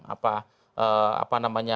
apa namanya pak ganjar